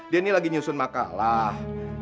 dia ini lagi nyusun makalah